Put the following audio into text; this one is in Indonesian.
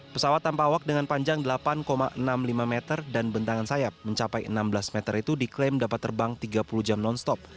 pesawat tanpa awak dengan panjang delapan enam puluh lima meter dan bentangan sayap mencapai enam belas meter itu diklaim dapat terbang tiga puluh jam non stop